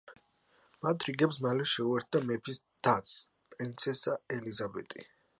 მათ რიგებს მალევე შეუერთდა მეფის დაც, პრინცესა ელიზაბეტი.